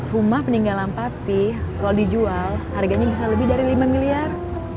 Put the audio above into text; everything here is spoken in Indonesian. rumah peninggalan papi kalau dijual harganya bisa lebih dari lima miliar